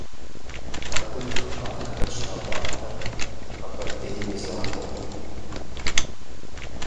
Абы и хъыбархэр щаӀуатэр Къэбэрдейм и закъуэкъым.